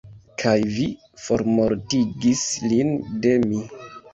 Kaj vi formortigis lin de mi!